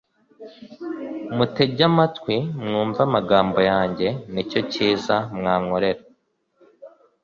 mutege amatwi, mwumve amagambo yanjye, ni cyo cyiza mwankorera